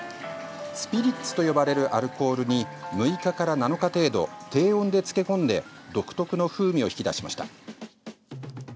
スピリッツと呼ばれるアルコールに６日から７日程度低温で漬け込んで独特の風味を引き出しました。